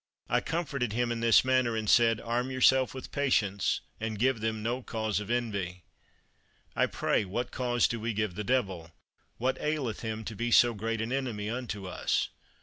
I comforted him in this manner, and said: Arm yourself with patience, and give them no cause of envy. I pray, what cause do we give the devil? What aileth him to be so great an enemy unto us?